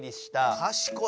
かしこい。